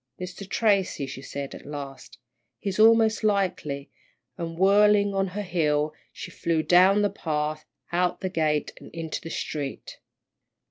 Mr. Tracy," she said, at last, "he's most likely," and whirling on her heel, she flew down the path, out the gate, and into the street.